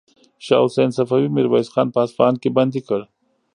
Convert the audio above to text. شاه حسین صفوي میرویس خان په اصفهان کې بندي کړ.